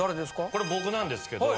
これ僕なんですけど。